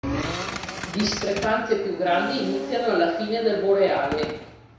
Discrepanze più grandi iniziano alla fine del Boreale.